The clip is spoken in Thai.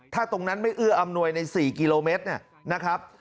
ถ้าตรงนั้นไม่เอื้ออำนวยใน๔กิโลเมตรนะครับ